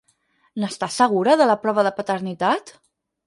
N'estàs segura, de la prova de paternitat?